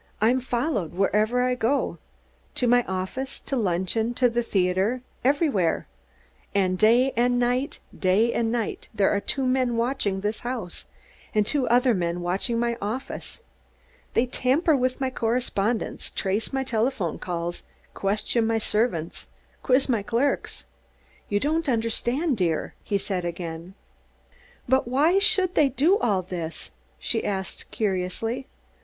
I'm followed wherever I go to my office, to luncheon, to the theater, everywhere; and day and night, day and night, there are two men watching this house, and two other men watching at my office. They tamper with my correspondence, trace my telephone calls, question my servants, quiz my clerks. You don't understand, dear," he said again. "But why should they do all this?" she asked curiously.